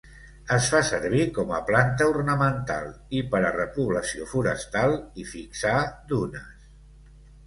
Es fa servir com planta ornamental i per a repoblació forestal i fixar dunes.